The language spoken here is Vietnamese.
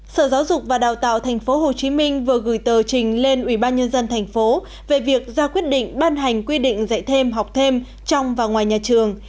sở giáo dục và đào tạo tp hcm vừa gửi tờ trình lên ubnd tp hcm về việc ra quyết định ban hành quy định dạy thêm học thêm trong và ngoài nhà trường